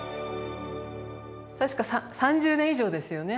確か３０年以上ですよね